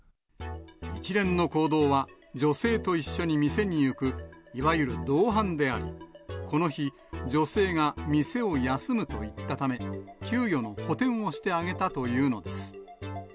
一連の行動は、女性と一緒に店に行く、いわゆる同伴であり、この日、女性が店を休むと言ったため、給与の補填をしてあげたというのです。